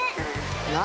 何？